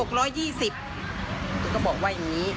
ก็บอกว่าอย่างนี้